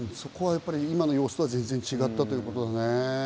今の様子とは全然違ったということですね。